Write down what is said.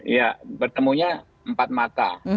ya bertemunya empat mata